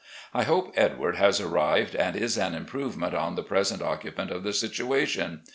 I hope Edward has arrived and is an improvement on the present occupant of the situation.